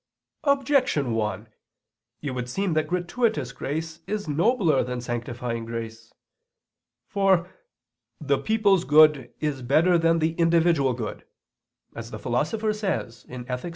Objection 1: It would seem that gratuitous grace is nobler than sanctifying grace. For "the people's good is better than the individual good," as the Philosopher says (Ethic.